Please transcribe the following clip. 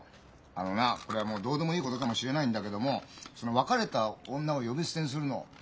あのなこれはもうどうでもいいことかもしれないんだけどもその別れた女を呼び捨てにするのそれ趣味悪いぞ。